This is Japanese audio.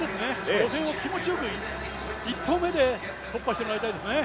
予選を気持ちよく、１投目で突破してもらいたいですね。